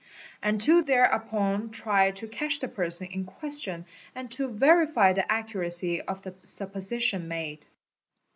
and to thereupon try to a ich the person in question and to verify the accuracy of the supposition X made.